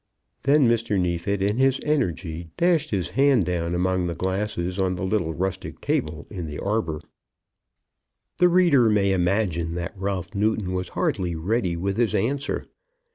Then Mr. Neefit, in his energy, dashed his hand down among the glasses on the little rustic table in the arbour. The reader may imagine that Ralph Newton was hardly ready with his answer.